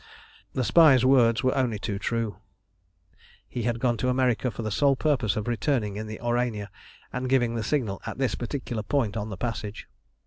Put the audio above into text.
The spy's words were only too true. He had gone to America for the sole purpose of returning in the Aurania and giving the signal at this particular point on the passage.